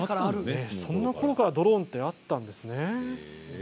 そんなころからドローンあったんですね。